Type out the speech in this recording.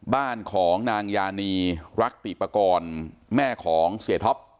บ้านของนางยานีรักติปากรแม่ของเสียท็อป